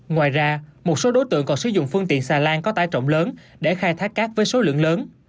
ngoài ra một số đối tượng còn sử dụng phương tiện xà lan có tải trọng lớn để khai thác cát với số lượng lớn